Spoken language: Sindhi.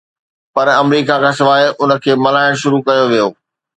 پر آمريڪا کان سواءِ ان کي ملهائڻ شروع ڪيو ويو.